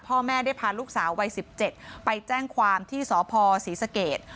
พ่อแม่ได้พาลูกสาววัย๑๗ไปแจ้งความที่สพศรีสเกต